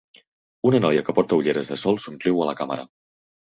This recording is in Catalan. una noia que porta ulleres de sol somriu a la càmera.